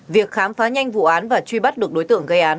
việc khám phá nhanh vụ án và truy bắt được đối tượng gây án